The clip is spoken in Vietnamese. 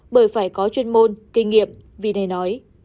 bởi phải có chuyên môn kinh nghiệm vì đề nói